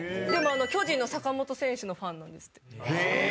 でも巨人の坂本選手のファンなんですって。